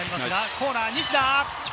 コーナーは西田。